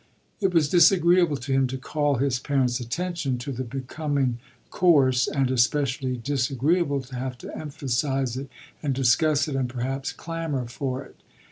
It was disagreeable to him to call his parent's attention to the becoming course, and especially disagreeable to have to emphasise it and discuss it and perhaps clamour for it.